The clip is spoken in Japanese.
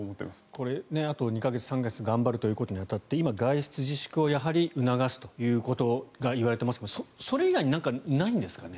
これ、あと２か月、３か月頑張るということに当たって今、外出自粛を促すということが言われていますがそれ以外になんか、ないんですかね。